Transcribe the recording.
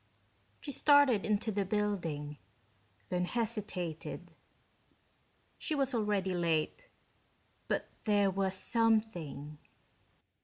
She started into the building, then hesitated. She was already late, but there was something....